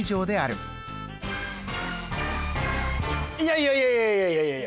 いやいやいやいや。